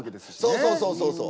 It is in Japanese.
そうそうそうそうそう。